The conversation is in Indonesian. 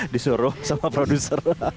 disuruh sama produser